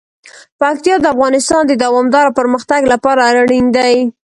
پکتیا د افغانستان د دوامداره پرمختګ لپاره اړین دي.